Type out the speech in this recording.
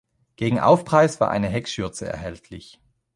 Gegen Aufpreis war eine Heckschürze erhältlich.